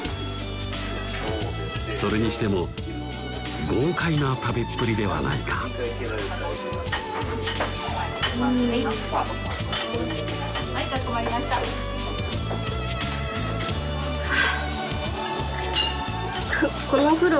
それにしても豪快な食べっぷりではないかうんはぁこのお風呂